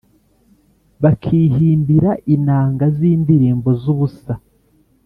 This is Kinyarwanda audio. bakihimbira inanga z’indirimbo z’ubusa,